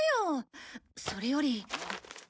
それより。